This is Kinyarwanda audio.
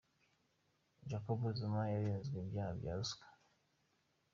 Jacob Zuma yarezwe ibyaha bya ruswa